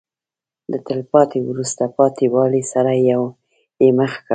د تلپاتې وروسته پاتې والي سره یې مخ کړل.